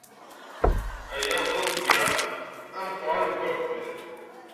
Aya d aḍeyyeɛ ameqran n wakud.